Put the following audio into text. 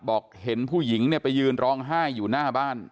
บอกเห็นผู้หญิงเนี่ยไปยืนร้องไห้อยู่หน้าบ้าน